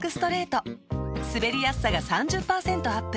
すべりやすさが３０％アップ。